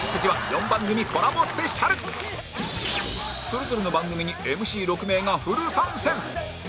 それぞれの番組に ＭＣ６ 名がフル参戦